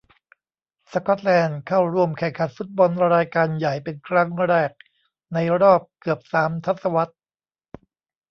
สกอตแลนด์ เข้าร่วมแข่งขันฟุตบอลรายการใหญ่เป็นครั้งแรกในรอบเกือบสามทศวรรษ